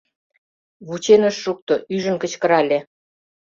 Вучен ыш шукто, ӱжын кычкырале: